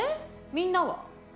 みんなは？